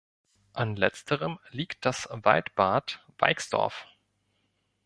An letzterem liegt das Waldbad Weixdorf.